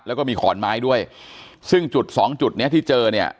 แล้วก็มีขอนไม้ด้วยซึ่งจุดสองจุดเนี้ยที่เจอเนี่ย